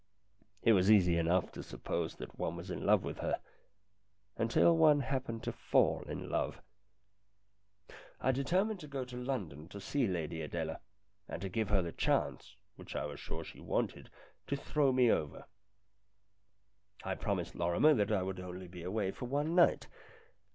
It was easy enough to suppose that one was in love with her until one happened to fall in love. I determined to go to London to see Lady Adela, and to give her the chance, which I was sure she wanted, to throw me over. I promised Lorrimer that I would only be away for one night.